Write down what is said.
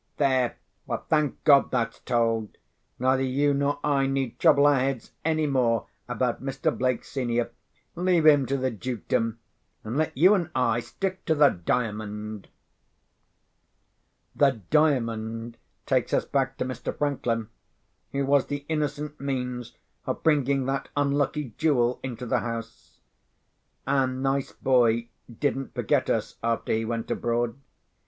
There! thank God, that's told! Neither you nor I need trouble our heads any more about Mr. Blake, senior. Leave him to the Dukedom; and let you and I stick to the Diamond. The Diamond takes us back to Mr. Franklin, who was the innocent means of bringing that unlucky jewel into the house. Our nice boy didn't forget us after he went abroad.